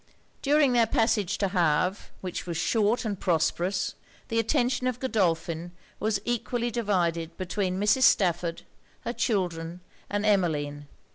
During their passage to Havre, which was short and prosperous, the attention of Godolphin was equally divided between Mrs. Stafford, her children, and Emmeline.